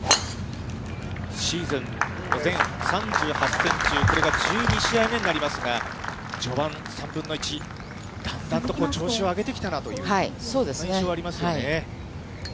シーズン全３８戦中、これが１２試合目になりますが、序盤、３分の１、だんだんと調子を上げてきたなという印象がありますよね。